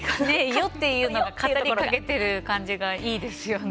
よっていうのが語りかけてる感じがいいですよね。